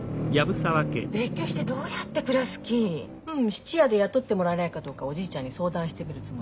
質屋で雇ってもらえないかどうかおじいちゃんに相談してみるつもり。